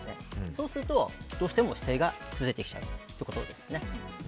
そうすると、どうしても姿勢がずれてきちゃうということです。